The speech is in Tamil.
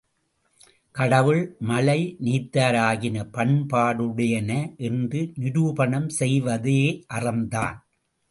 கடவுள், மழை, நீத்தார் ஆகியன பயன்பாடுடையன என்று நிரூபணம் செய்வதே அறம்தான்.